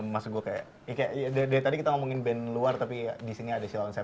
mas gue kayak dari tadi kita ngomongin band luar tapi disini ada shilla on tujuh